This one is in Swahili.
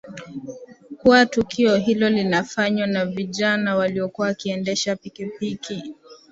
kuwa tukio hilo linafanywa na vijana waliokuwa wakiendesha pikipiki